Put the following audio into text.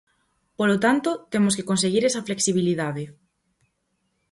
Polo tanto, temos que conseguir esa flexibilidade.